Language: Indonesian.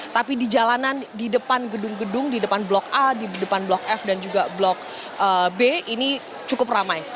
tapi di jalanan di depan gedung gedung di depan blok a di depan blok f dan juga blok b ini cukup ramai